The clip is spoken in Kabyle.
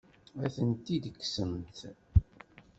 Ad ten-id-tekksemt?